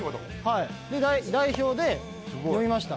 はい代表で読みました